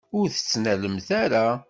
Ur t-tettnalemt ara.